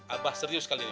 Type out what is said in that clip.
abah serius kali ini